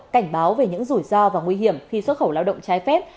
cảnh báo về những rủi ro và nguy hiểm khi xuất khẩu lao động trái phép